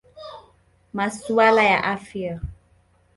Masuala ya Afya.